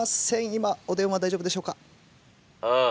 今お電話大丈夫でしょうか？